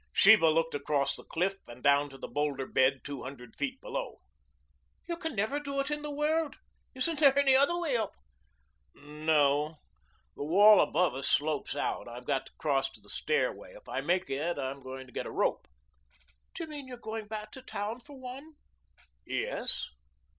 Sheba looked across the cliff and down to the boulder bed two hundred feet below. "You can never do it in the world. Isn't there another way up?" "No. The wall above us slopes out. I've got to cross to the stairway. If I make it I'm going to get a rope." "Do you mean you're going back to town for one?" "Yes."